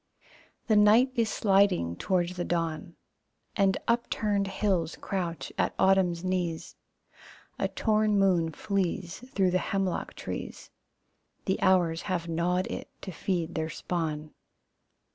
The night is sliding towards the dawn, And upturned hills crouch at autumn's knees. A torn moon flees Through the hemlock trees, The hours have gnawed it to feed their spawn.